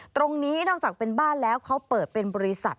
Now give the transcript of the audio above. นอกจากเป็นบ้านแล้วเขาเปิดเป็นบริษัท